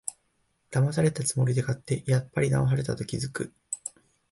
だまされたつもりで買って、やっぱりだまされたと気づく